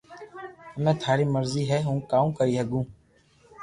ھمي ٿاري مرزي ھي ھون ڪاو ڪري ھگو